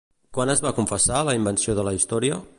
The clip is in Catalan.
Quan es va confessar la invenció de la història?